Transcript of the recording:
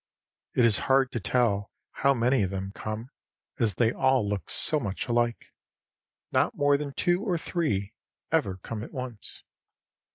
It is hard to tell how many of them come, as they all look so much alike. Not more than two or three ever come at once.